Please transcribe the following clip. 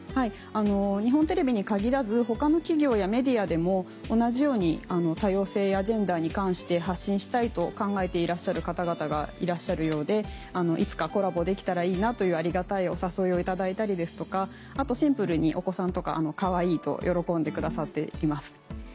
あの日本テレビに限らず他の企業やメディアでも同じように多様性やジェンダーに関して発信したいと考えている方々がいらっしゃるようで「いつかコラボできたらいいな」というありがたいお誘いをいただいたりですとかあとシンプルにお子さんとか「かわいい」と喜んでくださっています。